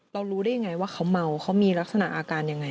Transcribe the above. เรารู้ได้อย่างไรว่าเขาเมาเขามีลักษณะอาการอย่างไร